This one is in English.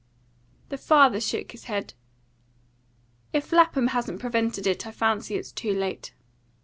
The father shook his head. "If Lapham hasn't prevented it, I fancy it's too late.